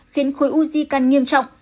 khiến khối u di căn nghiêm trọng